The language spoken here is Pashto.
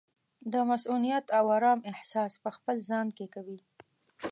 د مصؤنیت او ارام احساس پخپل ځان کې کوي.